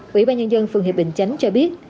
ủy ban nhân dân phường hiệp bình chánh cho biết